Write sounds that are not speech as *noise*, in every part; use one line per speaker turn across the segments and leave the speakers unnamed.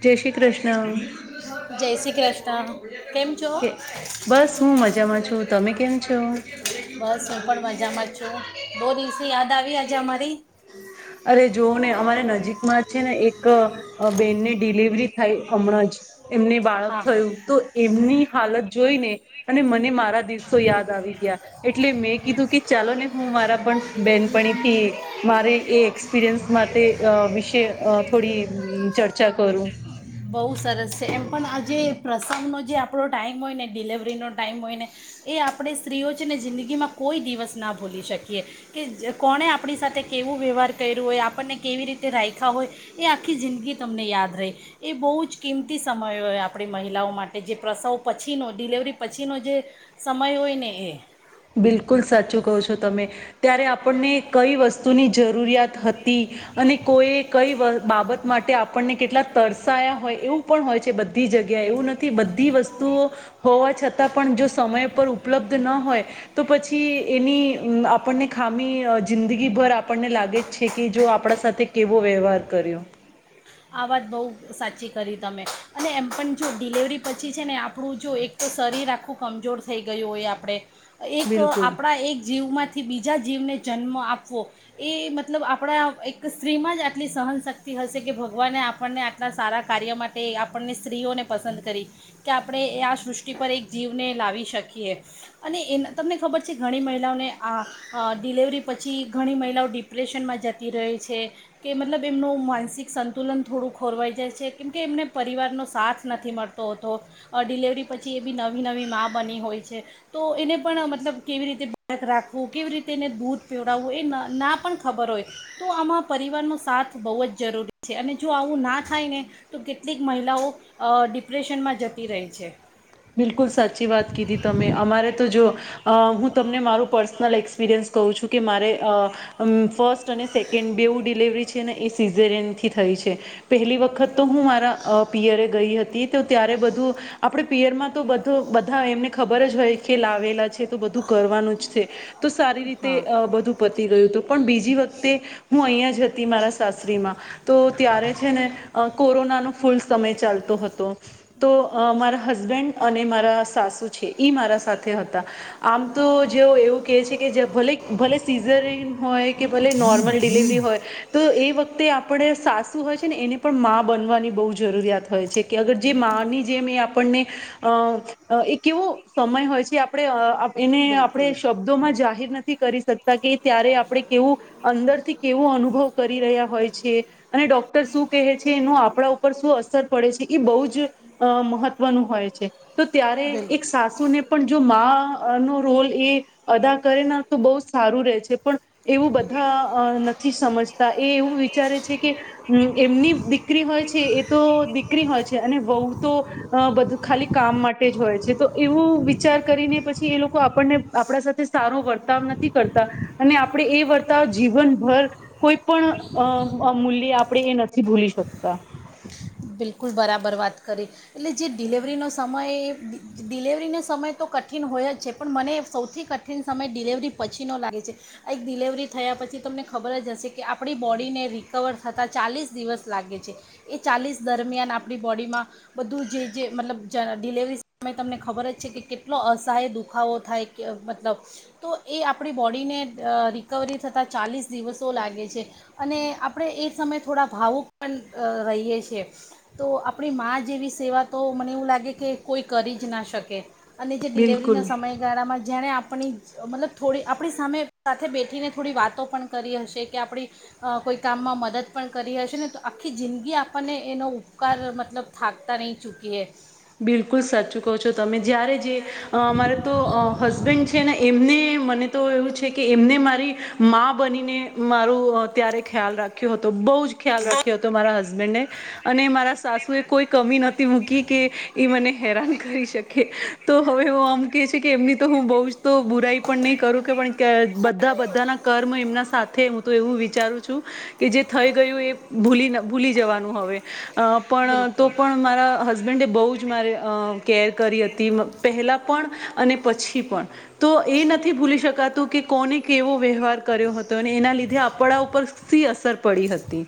જય શ્રી કૃષ્ણ.
જય શ્રી કૃિષ્ણ. કેમ છુ
કે બસ હું મજામાં છું તમે કેમ છો
બસ હું પણ મજામાં છું. બહુ દિવસી યાદ આવી આજે અમારી.
અરે જોવ ને અમારે નજીકમાં જ. છે ને એક બેનની ડિલિવરી થાય હમણાં જ. એમને બાળક
હા હા
થયું તો એમની. હાલત જોઈને. અને મને મારા દિવસો યાદ આવી ગયા એટલે મેં કીધું કે ચાલો ને. હું મારા પણ બેનપણી થી મારે. એ એક્સપિરયન્સ માટે વિશે થોડી ચર્ચા કરું.
બહુ સરસ છે એમ પણ આ જે પ્રસંગનો જે આપણો ટાઈમ હોય ને ડિલેવરીનો ટાઈમ હોય ને એ આપણે સ્ત્રીઓ છે ને જિંદગીમાં કોઈ દિવસ ના ભૂલી શકીએ. ીએ કે કોણે આપણી સાથે કેવું વ્યવહાર કર્યું હોય આપણને કેવી રીતે રાખ્યા હોય એ આખી જિંદગી તમને યાદ રહી એ બહુ જ કિંમતી સમય હોય આપણી મહિલાઓ માટે જે પ્રસવ પછીનો ડિલેવરી પછીનો જે સમય હોય ને એ.
બિલકુલ સાચું કહો છો તમે ત્યારે આપણને કઈ વસ્તુની જરૂરિયાત હતી અને કોઈ કઈ બાબત માટે આપણને કેટલા તરસાયા હોય એવું પણ હોય છે બધી જગ્યાએ એવું નથી બધી વસ્તુઓ હોવા છતાં પણ જો સમય પર ઉપલબ્ધ ન હોય. તો પછી એની આપણને ખામી જિંદગીભર આપણને લાગે જ છે કે જો આપણા સાથે કેવો વ્યવહાર કર્યો.
આ વાત બહુ સાચી કરી તમે અને એમ પણ જો ડિલેવરી પછી છે ને આપણું જો એક તો શરીર આખું કમજોર થઈ ગયું હોય આપણે. એક
બિલકુલ
આપણા એક જીવમાંથી બીજા જીવને. જન્મ આપવો એ મતલબ આપણા એક સ્ત્રીમાં જ આટલી સહનશક્તિ હશે કે. ભગવાને આપણને આટલા સારા કાર્ય માટે આપણને સ્ત્રીઓને પસંદ કરી કે આપણે એ આ સૃષ્ટિ પર એક જીવને લાવી શકીએ અને એના તમને ખબર છે ઘણી મહિલાઓને આ ડિલેવરી પછી ઘણી મહિલાઓ ડિપ્રેશનમાં જતી રહેહી છે કે મતલબ એમનો માનસિક સંત. તુલન થોડું ખોરવાઈ જાય છે કેમ કે એમને પરિવારનો સાથ નથી મળતો હતો ડિલેવરી પછી એ બી નવી નવી મા બની હોય છે તો એને પણ મતલબ કેવી રીતે બાળક રાખવું કેવી રીતે એને દૂધ પીવડાવવું એ ના પણ ખબર હોય તો આમાં પરિવારનો સાથ બહુ જ જરૂરી. અને જો આવું ના થાય ને તો કેટલીક મહિલાઓ ડિપ્રેશનમાં જતી રહી છે.
બિલકુલ સાચી વાત કીધી તમે અમારે તો જો. અ હું તમને મારું પર્સનલ એક્સપિરિયન્સ કહું છું કે મારે ફર્સ્ટ અને સેકન્ડ બેવું ડિલેવરી છે ને એ સિઝરનથી થઈ છે પહેલી વખત તો હું મારા પિયરે ગઈ હતી તો ત્યારે બધું આપણે. પિયરમાં તો બધ બધા એમને ખબર જ હોય કે લાવેલા છે. તો બધું કરવાનું જ છે તો સારી રીતે
હા
બધું પતી ગયું હતું પણ બીજી વખતે. હું અહં જ હતી મારા. તો ત્યારે છે ને કોરોના ફૂલ સમય ચાલતો હતો તો હસબેન્ડ અને મારા સાસુ છે મારા સાથે હતા આમ તો જેવ એવું કહે છે કે ભલે ભલે સીઝર હોય નોર્મલ ડલિવરી હોય તો એ વખતે આપણે સાસુ હોય છે ને એને પણ મા બનવાની બહુ જરૂરિયાત હોય છે કે અગર જે માની જેમ એ આપણને અ એક કેવો સમય હોય છે આપણે એને
બિલકુલ
આપણે શબ્દો માં જાહેર નથી કરી શકતા કે ત્યારે આપણે કેવું અંદરથી કેવો અનુભવ કરી રહ્યા હોય છે અને ડોક્ટર શું કહે છે એનું આપણા ઉપર શું અસર પડે છે એ બહુ જ મહત્વ નું હોય છે તો ત્યારે
બિલકુલ
એક સાસુને પણ જો માં નો રોલ એ અદા કરે તો બહુ સારું રહે છે પણ એવું બધા નથી સમજતા એ એવું વિચારે છે કે એમની દીકરી હોય છે એ તો દીકરી હોય છે અને બહુ તો અ બધ ખાલી કામ માટે જ હોય છે તો એવું વિચાર કરીને પછી એ લોકો આપણને આપણા સાથે સારો વર્તાવ નથી કરતા અને આપણે એ વર્તાવ જીવનભર કોઈ પણ મૂલ્યે આપણે એ નથી ભૂલી શકતા
બિલકુલ બરાબર વાત કરી એટલે જે ડિલેવરીનો સમય એ ડિલેવરીનો સમય તો કઠિન હોય જ છે પણ મને સૌથી કઠિન સમય ડિલેવરી પછીનો લાગે છે આ એક ડિલેવરી થયા પછી તમને ખબર જ હશે કે આપણી બોડીને રિકવર થતાં ચાલીસ દિવસ લાગે છે એ ચાલીસ દરમિયાન આપણી બોડીમાં બધું જે જે મતલબ જ ડિલેવરી સમય તમને ખબર જ છે કે કેટલો અસહાય દુખાવો થાય કે મતલબ તો એ આપણી બોડીને રિકવરી થતાં ચાલીસ દિવસો લાગે છે અને આપણે એ સમયે થોડા ભાવુક પણ રહીએ છીએ તો આપણી માં જેવી સેવા તો મને એવું લાગે કે કોઈ કરી જ ના શકે અને જે
બિલકુલ
ડિલિવરીના સમયગાળામાં જેણે આપ આપણી મતલબ થોડી આપણી સામે સાથે બેઠીને થોડી વાતો પણ કરી હશે કે આપણી કોઈ કામમાં મદદ પણ કરી હશે ને તો આખી જિંદગી આપણને એનો ઉપકાર મતલબ થાકતા રહીં ચૂકીએ
બિલકુલ સાચું કહો છો તમે જ્યારે જે અરે તો હસબેન્ડ છે ને એમને મને તો એવું છે કે એમને મારી બનીને મારું ત્યારે ખ્યાલ રાખ્યો હતો બહુ જ ખ્યાલખ્યો હતો મારા હસ હબન્ અને મારા સાસુ એ કોઈ કમી નથી મૂકી કે એ મને હેરાન કરી શકે તો હવે હું આમકે કે એમની તો હું બઉ તો બુરાઈ પણ નહી કરું કે બધા બધાના કર્મ એમના સાથે એવું વિચારું છું કે જે થઈ ગયું એ ભૂલી ભૂલી જવાનું હવે અ પણ
બિલકુલ
તો પણ મારા હસબેન્ડે બહુ જ અ કેર કરી હતી પહેલા પણ અને પછી પણ તો એ નથી ભૂલી શકાતું કે કોને કેવો વ્યવહાર કર્યો હતો અને એના લીધે આપડા ઉપર સી અસર પડી હતી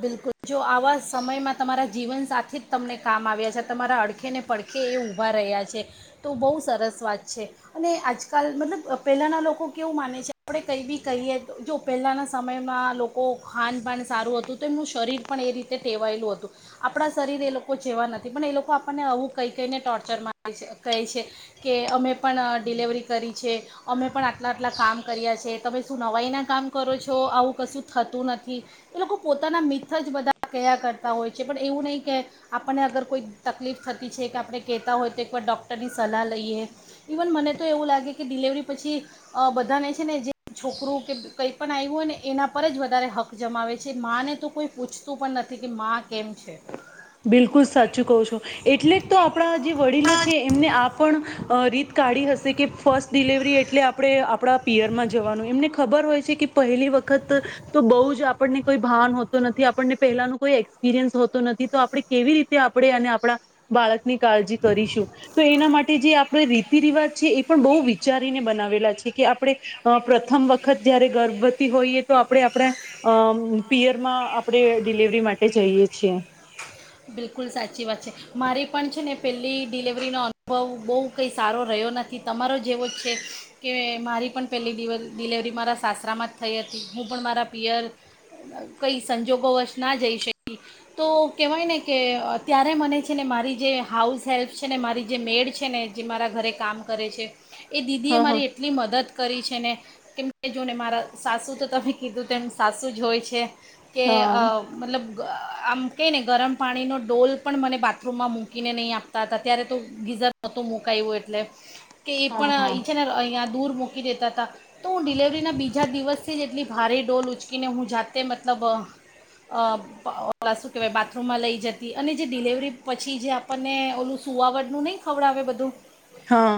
બિલકુલ જો આવા સમયમાં તમારા જીવન સાથે જ તમને કામ આવ્યા છે તમારા અડખે ને પડખે એ ઊભા રહ્યા છે તો બહુ સરસ વાત છે અને આજકાલ મતલબ પહેલાંના લોકો કેવું માને છે આપણે કંઈ બી કહીએ જો પહેલાંના સમયમાં લોકો ખાન પાાન સારું હતું તો એમનું શરીર પણ એ રીતે ટેવાયેલું હતું આપણાં શરીર એ લોકો જેવા નથી પણ એ લોકો આપણને આવું કંઈ કઈને ટોર્ચરમાં છે કહે છે કે અમે પણ ડિલેવરી કરી છે અમે પણ આટલા આટલા કામ કર્યા છે તમે શું નવાઈના કામ કરો છો આવું કશું થતું નથી એ લોકો પોતાના મિથ જ બધા કયા કરતાં હોય છે પણ એવું નહીં કે આપણને અગર કોઈ તકલીફ થતી છે કે આપણે કહેતા હોય તો એકવાર ડૉક્ટરની સલાહ લઈએ ઇવન મને તો એવું લાગે કે ડિલેવરી પછી બધાને છે ને જે છોકરું કે કંઈ પણ આવ્યું હોય ને એના પર જ વધારે હક્ક જમાવે છે પછ ને તો કોઈ પૂછતું પણ નથી કે માં કેમ છે
બિલકુલ સાચું કહું છો એટલે જ તો આપણા જે વડીલો છે એમને આ પણ રીત કાઢી હશે કે ફર્સ્ટ ડિલવરી એટલે આપણે આપણા પિયરમાં જવાનું એમને ખબર હોય છે કે પહેલી વખત તો બહુ જ આપણને કોઈ ભાન હોતો નથી આપણને પહેલાનું કોઈ એક્સપિરિયન્સ હોતો નથી તો આપણે કેવી રીતે આપણેે અને આપણા બાળક ની કાળજી કરીશું તો એના માટે જે આપણે રીતિ રિવાજ છે એ પણ બહુ વિચારીને બનાવેલા છે કે આપણે પ્રથમ વખત જયારે ગર્ભવતી હોઈએ તો આપણે આપણે અ પિયરમાં આપણે ડિલવરી માટે જઈએ છીએ
બિલકુલ સાચી વાત છે. મારી પણ, છે ને, પહેલી ડિલેવરીનો અનુભવ બહુ કંઈ સારો રહ્યો નથી. તમારો જેવો જ છે, કે મારી પણ પહેલી ડિલેવરી મારા સાસરામાં જ થઈ હતી. હું પણ મારા પિયર કંઈ સંજોગોવશ ના જઈ શકી, તો કહેવાય ને! કે ત્યારે મને, છે ને, મારી જે હાઉસહેલ્પ ને મારી જે મેડ છે ને, જે મારા ઘરે કામ કરે છે. એ દીદી
હા
એ
હા
મારી એટલી મદદ. કરી છે ને, કેમ કે જોને, મારા સાસુ તો તમે કીધું તેમ સાસુ જ હોય છે. કે
હા
મતલબ, આમ કંઈને ગરમ. પાણીનો ડોલ પણ મને બાથરૂમમાં મૂકીને નહીં આપતા હતા. ત્યારે તો ગીઝર નહોતું મુકાયું, એટલે. કે એ
હા
પણ
હા
ઈ છે ને, અહિયા. દૂ મૂકી દેતા હતા, તો હું ડિલવરીના બીજા દિવસથી જ એટલી ભારે ડોલ ઉચકીને, હું જાતે, મતલબ શું કહેવાય, બા. માં લઈ જતી, અને જે ડિલેવરી પછી જે આપણને ઓલું સુઆવટનું નહીં ખવડાવે, આવે બધું.
હા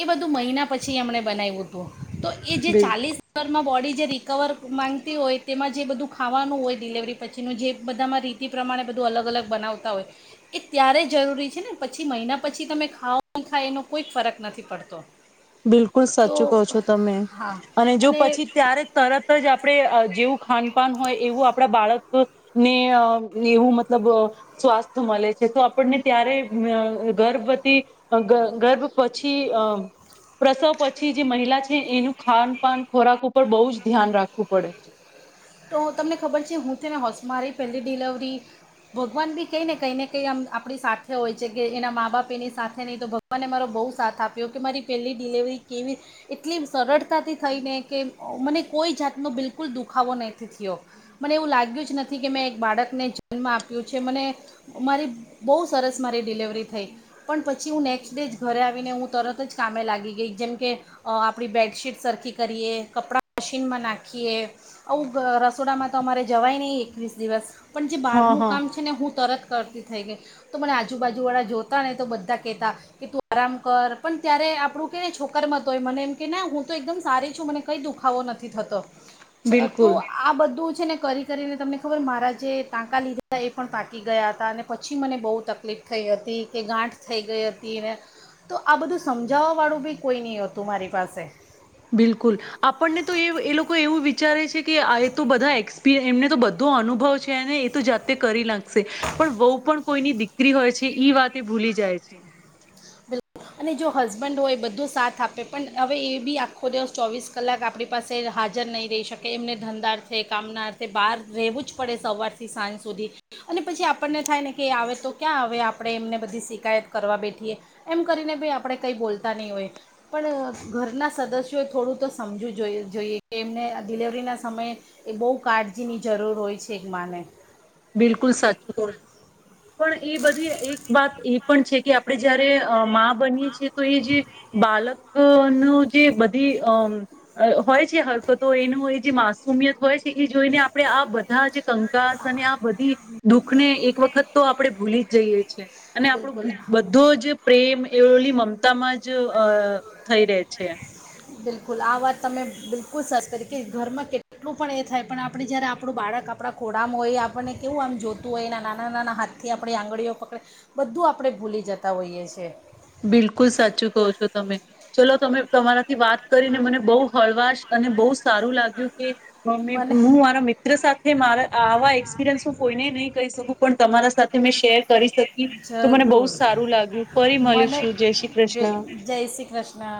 એ બધું, મહિના. એ બધું મહિના. તો એ જે
બિલ
ચાલીસરમાં બોડી. જે રિકવર માંગતી હોય, તેમાં જે બધું ખાવાનું હોય, ડિલવરી પછીનું, જે બધામાં રીતિ પ્રમાણે. બધું અલગ અલગ બનાવતા હોય એ ત્યારે જરૂરી છે ને, પછી મહિના પછી તમે ખાઓ, ખાય એનો કોઈ ફરક નથી પડતો.
બિલકુલ સાચું
તો
કહો છો તમે, અને જો પછી ત્યારે તરત જ આપણે જેવું ખાનપાન હોય એવું આપણા બાળક.. ને એવું મતલબ, સ્વાસ્થ મળે છે તો આપણને ત્યારે ગર્ભવતી. ગર્ભ પ *unintelligible* પછી, અમ. પ્રસવ પછી જે મહિલા છે, એનું ખાનપાન, ખોરાક ઉપર બહુ જ ધ્યાન રાખવું પડે છે.
તો તમને ખબર છે, હું છે ને હશ, મારી પહેલી ડિલેવરી. ભગવાન બી કઈ ને કંઈ ને કંઈ આમ આપણી સાથે હોય છે કે એના મા- બાપ એની સાથે, નહીં તો ભગવાને મારો બહુ સાથ આપ્યો કે મારી પહેલી ડિલેવરી કેવી એટલી સરળતાથી થઈને કે મને કોઈ જાતનો બિલકુલ દુખાવો નહીં. થયો મને એવું લાગ્યું જ નથી કે મેં એક બાળકને જન્મ આપ્યો છે. મને મારી બહુ સરસ મારી ડિલવરી થઈ, પણ પછી હું નેક્સ્ટ ડે જ ઘરે આવીને હું તરત જ કામે લાગી ગઈ, જેમ કે આપણી બેડશીટ સરખી કરીએ કપડાં મશીનમાં નાખીએ, આવું. રસોડામાં તો અમારે જવાય નહીં, એકવીસ દિવસ. પણ જે
હા
બહારનું
હા
કામ છે ને, હું તરત. કરતી થઈ ગઈ, તો મને આજુબાજુવાળા જોતા ને, તો બધા કહેતા કે તું આરામ કર, પણ ત્યારે આપણું કેને, છોકરામાં તો હોય મને એમ કે ના, હું તો એકદમ સારી છું, મને કંઈ દુખાવો નથી થતો.
બિલકુલ.
તો, આ બધું. છે ને, કરી કરીને તમને ખબર, મારા જે ટાંકા લીધા હતા એ પણ પાકી ગયા હતા, અને પછી મને બહુ તકલીફ થઈ હતી કે ગાંઠ થઈ ગઈ હતી ને, તો આ બધું સમજાવવાળું બી કોઈ નહીં હતું મારી પાસે.
બિલકુલ ચારે છે. કે આ તો બધા એક. એમને તો બધો અનુભવ છેને, એ તો જાતે કરી નાખશે, પણ વહુ પણ કોઈની દીકરી હોય છે, વાત એ ભૂલી જાય છે.
બિલકુલ અને જો હસબન્ડ હોય, બધો સાથ આપે પણ હવે એ બી આખો દિવસ, ચોવીસ કલાક આપણી પાસે હાજર નહીં રહી શકે. એમને ધંધા અર્થે કામના અર્થે બહાર રહેવું જ પડે, સવારથી સાંજ સુધી. અને પછી આપણને થાય ને કે આવે તો ક્યાં આવે? આપણે એમને બધી શિકાયત કરવા બેઠીએ. એમ કરીને ભાઈ આપણે કંઈ બોલતા નહીં હોય, પણ ઘરના સદસ્યોએ થોડું તો સમજવું જો જોઈએ કે એમને ડિલેવરીના સમયે એ બહુ કાળજીની જરૂર હોય છે એક માને.
બિલકુલ, સાચું તો. પણ એ બધી એક વાત એ પણ છે કે આપડે જયારે. અ માં બનીએ તો એ જે બાલક. ન જે બધી અ હોય છે, હરકતો એનું એ જે માસુમિયત હોય છે, એ જોઈને. આપણે આ બધા જે કંકા. અને આ બધી દુઃખ ને એક વખત તો આપડે ભૂલી જઈએ છ છે અને આપણો
બિલકુલ
બધો જ પ્રેમ એવલી મમતા માં જો અ થઈ રહે છે.
બિલકુલ આ વાત તમે બિલકુલ ુું સરસ તરીકે ઘરમાં કેટલું પણ એ થાય પણ આપણે જ્યારે આપણું બાળક આપણા ખોડામાં હોય આપણને કેવું આમ જોતું હોય એના નાના નાના હાથથી આપણી આંગળીઓ પકડે બધું આપણે ભૂલી જતા હોઈએ છીએ
બિલકુલ સાચું કહો છો તમે ચલો તમે તમારાથી વાત કરીને મને બહુ હળવાશ અને બહુ સારું લાગ્યું કે મમ્મી
મને
હું મારા મિત્ર સાથે મારા આવા એક્સપિરિયન્સ હું કોઈને નહી કહી શકું પણ તમારા સાથે મેં શેર કરી શકી તો મને બહુ જ સારું લાગ્યું ફરી મળી
જ જય શ્રી કૃષ્ણ